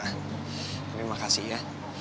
terima kasih ya